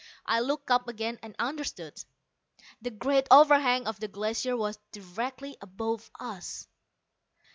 I looked up again, and understood. The great overhang of the Glacier was directly above us!